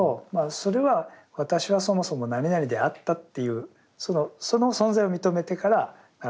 それは「私はそもそも何々であった」っていうその存在を認めてからなる。